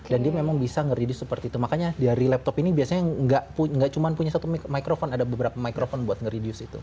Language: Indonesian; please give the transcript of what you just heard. dan dia memang bisa ngereduce seperti itu makanya dari laptop ini biasanya nggak cuma punya satu microphone ada beberapa microphone buat ngereduce itu